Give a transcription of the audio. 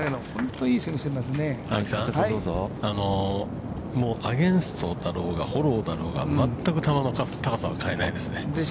◆青木さん、もうアゲインストだろうがフォローだろうが、全く球の高さは変えないですね。